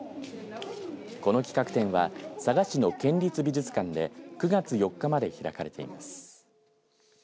この企画展は佐賀市の県立美術館で９月４日まで開かれています。